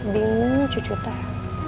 bingung cucu teh